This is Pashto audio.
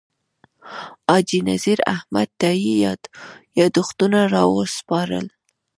حاجي نذیر احمد تائي یاداښتونه راوسپارل.